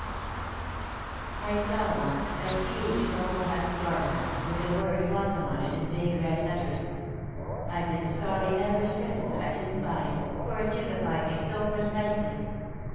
[Sidenote: Quiet Rebuke] "I saw, once, a huge cocoa husk door mat, with the word 'Welcome' on it in big red letters. I've been sorry ever since that I didn't buy it, for it typified me so precisely.